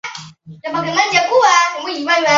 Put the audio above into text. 塞涅德古埃及早王朝时期第二王朝国王。